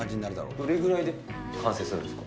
どれぐらいで完成するんです